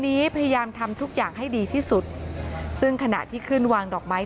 พยายามทำทุกอย่างให้ดีที่สุดซึ่งขณะที่ขึ้นวางดอกไม้